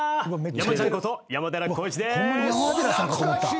やまちゃんこと山寺宏一です。